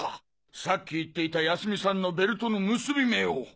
さっき言っていた泰美さんのベルトの結び目を。